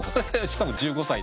しかも１５歳。